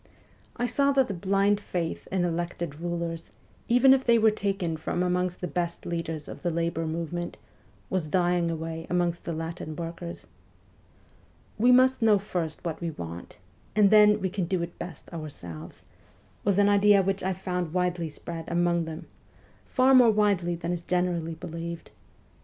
I saw that the blind faith in elected rulers, even if they were taken from amongst the best leaders of the labour movement, was dying away amongst the Latin workers. 'We must know first what we want, and then we can do it best our selves,' was an idea which I found widely spread among them far more widely than is generally believed.